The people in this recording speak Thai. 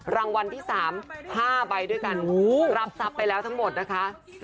รางวัลที่๓๕ใบด้วยกันรับทรัพย์ไปแล้วทั้งหมดนะคะ